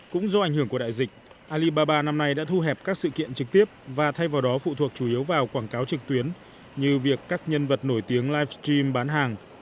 cũng do ảnh hưởng của đại dịch alibaba năm nay đã thu hẹp các sự kiện trực tiếp và thay vào đó phụ thuộc chủ yếu vào quảng cáo trực tuyến như việc các nhân vật nổi tiếng live stream bán hàng